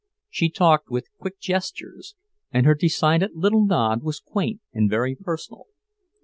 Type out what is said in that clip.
She talked with quick gestures, and her decided little nod was quaint and very personal.